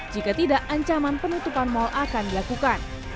jika tidak ancaman penutupan mal akan dilakukan